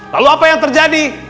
lalu apa yang terjadi